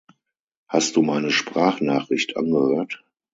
Hast du meine Sprachnachricht angehört?